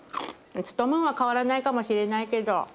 ツトムンは変わらないかもしれないけど。